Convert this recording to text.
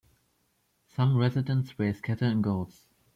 Some residents raise cattle and goats.